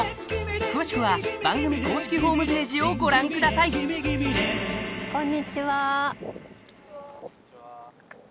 詳しくは番組公式ホームページをご覧くださいウオーキング？